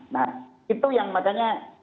nah itu yang makanya